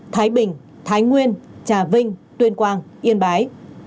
thái bình thái nguyên trà vinh tuyên quang yên bái